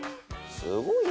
すごいね。